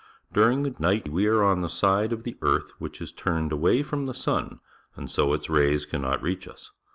During the night we are on the side of the earth which is turned away from the sun. and so its rays cannot reach us.